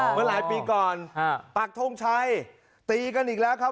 เมื่อหลายปีก่อนปักทงชัยตีกันอีกแล้วครับ